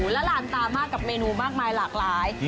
และลานตามากกับเมนูมากมายหลากหลาย